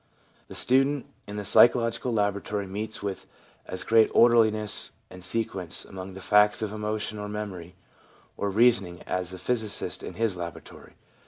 The student in the psycho logical laboratory meets with as great orderliness and sequence among the facts of emotion or memory or reasoning as the physicist in his laboratory.